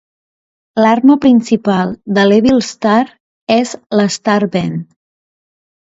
L'arma principal de l'Evil Star és la "Starband".